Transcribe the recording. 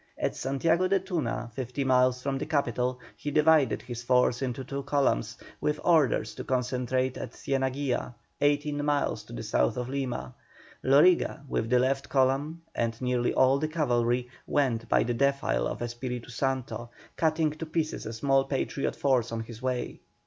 At Santiago de Tuna, fifty miles from the capital, he divided his force into two columns, with orders to concentrate at Cienaguilla, eighteen miles to the south of Lima. Loriga, with the left column and nearly all the cavalry, went by the defile of Espiritu Santo, cutting to pieces a small Patriot force on his way.